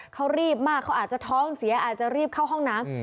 เขารีบมากเขาอาจจะท้องเสียอาจจะรีบเข้าห้องน้ำ